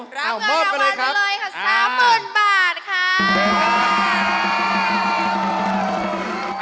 รับเงินราวรรณเลยครับ๓๐๐๐๐บาทครับ